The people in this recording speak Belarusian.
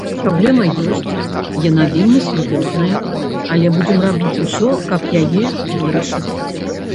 Праблема ёсць, яна вельмі сур'ёзная, але будзем рабіць усё, каб яе вырашыць.